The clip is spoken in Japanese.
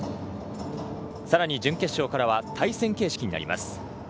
さらに準決勝からは対戦形式になります。